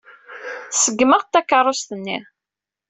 Ṣeggmeɣ-d takeṛṛust-nni.